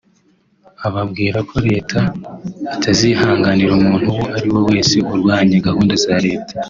ababwira ko Leta itazihanganira umuntu uwo ari we wese urwanya gahunda za Leta